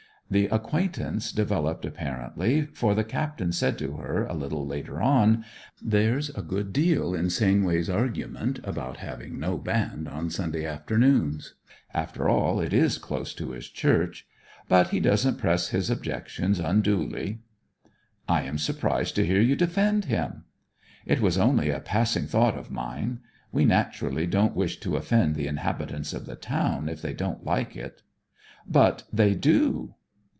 The acquaintance developed apparently, for the Captain said to her a little later on, 'There's a good deal in Sainway's argument about having no band on Sunday afternoons. After all, it is close to his church. But he doesn't press his objections unduly.' 'I am surprised to hear you defend him!' 'It was only a passing thought of mine. We naturally don't wish to offend the inhabitants of the town if they don't like it.' 'But they do.'